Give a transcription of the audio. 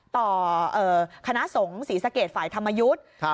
ต่อคณะสงฆ์ศรีสะเกดฝ่ายธรรมยุทธ์